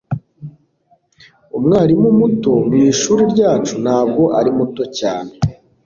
umwarimu muto mwishuri ryacu ntabwo ari muto cyane